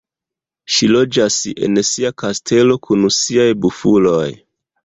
Ŝi loĝas en sia kastelo kun siaj Bufuloj.